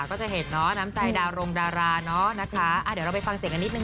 ก็จะเห็นเนาะน้ำใจดารงดาราเนอะนะคะเดี๋ยวเราไปฟังเสียงกันนิดนึ